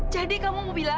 jadi kamu menyebutkan siapa